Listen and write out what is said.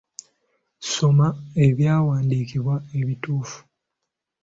Soma ebyawandiikibwa ebitukuvu